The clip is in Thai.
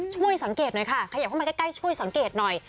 ช่วยสังเกตหน่อยค่ะขยับเข้ามาใกล้ช่วยสังเกตหน่อย